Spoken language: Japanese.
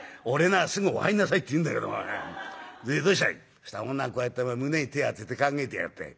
「そしたら女がこうやって胸に手を当てて考えてやがったよ。